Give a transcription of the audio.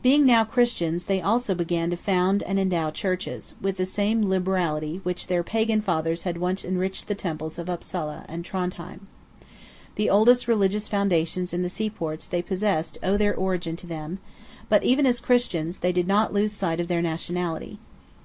Being now Christians, they also began to found and endow churches, with the same liberality with which their Pagan fathers had once enriched the temples of Upsala and Trondheim. The oldest religious foundations in the seaports they possessed owe their origin to them; but even as Christians, they did not lose sight of their nationality.